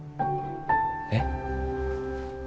えっ？